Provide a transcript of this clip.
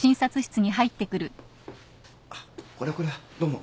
あっこれはこれはどうも。